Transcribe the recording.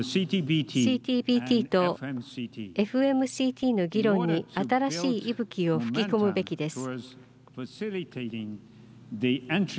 ＣＴＢＴとＦＭＣＴの議論に新しい息吹を吹き込むべきです。